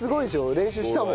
練習したもん。